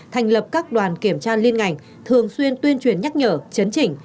thành lập các đoàn kiểm tra liên ngành thường xuyên tuyên truyền nhắc nhở chấn chỉnh